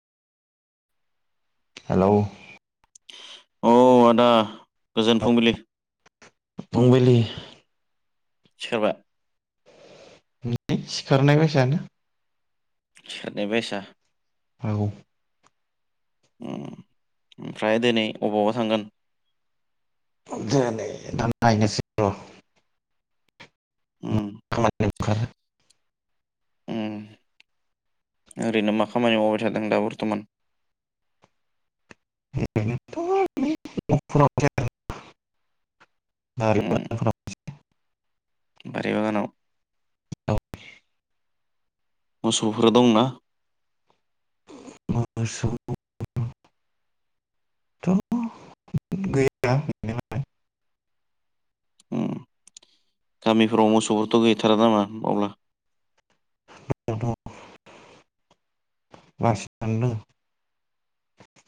Hello. अ आदा गोजोन फुंबिलि। फुंबिलि। सिखारबाय। होम लै सिखारनाय बायसायानो। सिखारनायबायसा। औ। ओम ओमफ्राय दिनै अबावबा थांगोन। दोंनै दा नायनोसै‌ र' [unintelligible] ओम ओरैनो मा खामानि मावबाय थादों दा बर्थमान। [unintelligible] [unintelligible] उम [inaudible] बारि उनाव। मोसौफोर दंना। [unintelligible] थ' गैया [unintelligible] उम गामिफोराव मोसौफोरथ गैथारा नामा अब्ला। बास आनदों।